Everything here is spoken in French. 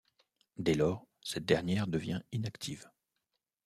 Dès lors, cette dernière devient inactive.